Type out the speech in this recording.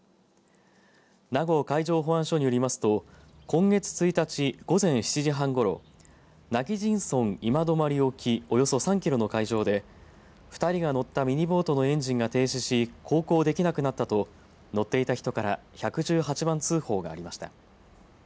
名護海上保安署によりますと今月１日午前７時半ごろ今帰仁村今泊沖およそ３キロの海上で２人が乗ったミニボートのエンジンが停止し航行できなくなったと乗っていた人から１１８番通報がありました。